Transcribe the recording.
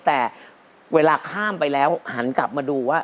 แต่เวลาข้ามไปแล้วหันกลับมาดูว่า